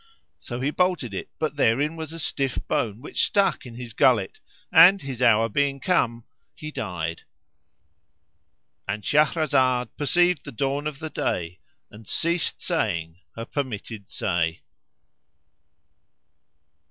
So he bolted it; but therein was a stiff bone which stuck in his gullet and, his hour being come, he died.—And Shahrazad perceived the dawn of day and ceased saying her permitted say.